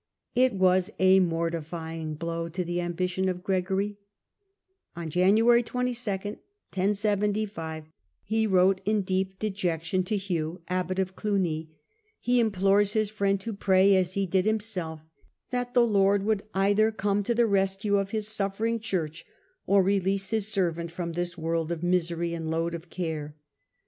It was a mortifying blow to the am bition of Gregory; on January 22, 1075, he wrote in deep dejection to Hugh, abbot of Clugny ; he implores his friend to pray, as he did himself, that the Lord would either come to the rescue of His suffering Church, or release Bis servant from this world of misery and load of care.